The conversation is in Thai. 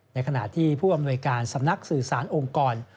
ในขณะที่ผู้อำนวยการสำนักสื่อสารองค์กร